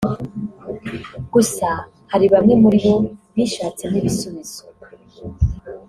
gusa hari bamwe muri bo bishatsemo ibisubizo